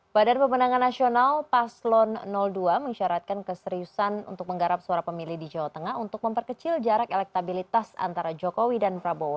badan pemenangan nasional paslon dua mengisyaratkan keseriusan untuk menggarap suara pemilih di jawa tengah untuk memperkecil jarak elektabilitas antara jokowi dan prabowo